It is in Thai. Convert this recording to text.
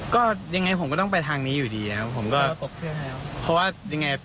ก็ยังไงผมก็ต้องไปทางนี้อยู่ดีนะครับผมก็เพราะว่ายังไง